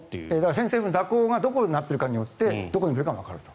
偏西風の蛇行がどこになっているかによってどこに来るかわかると。